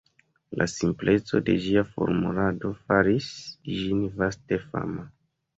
La simpleco de ĝia formulado faris ĝin vaste fama.